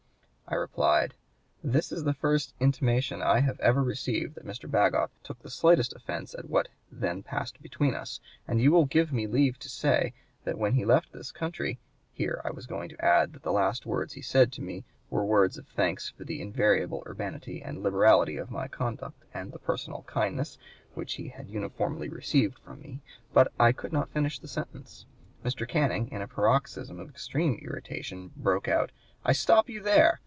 I replied, (p. 143) 'This is the first intimation I have ever received that Mr. Bagot took the slightest offence at what then passed between us, ... and you will give me leave to say that when he left this country' Here I was going to add that the last words he said to me were words of thanks for the invariable urbanity and liberality of my conduct and the personal kindness which he had uniformly received from me. But I could not finish the sentence. Mr. Canning, in a paroxysm of extreme irritation, broke out: 'I stop you there.